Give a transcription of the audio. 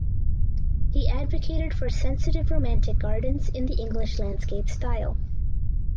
He advocated for sensitive Romantic gardens in the English landscape style.